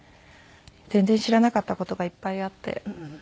全然知らなかった事がいっぱいあって。